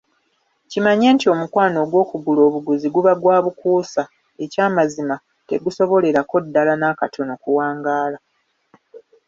Kimanye nti omukwano ogw’okugula obuguzi guba gwa bukuusa. Ekyamazima tegusobolerako ddala n’akatono kuwangaala.